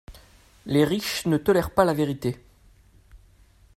Les riches ne tolèrent pas la vérité.